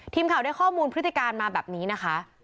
ทีมข่าวได้ข้อมูลพฤติการมาแบบนี้นะคะ